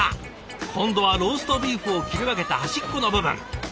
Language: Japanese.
今度はローストビーフを切り分けた端っこの部分。